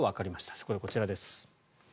そこでこちらです。